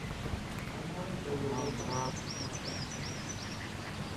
آنها را زنده زنده خاک کردند.